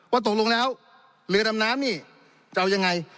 ตกลงแล้วเรือดำน้ำนี่จะเอายังไง